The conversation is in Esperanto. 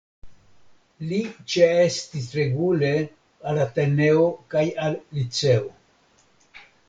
Li ĉeestis regule al Ateneo kaj al Liceo.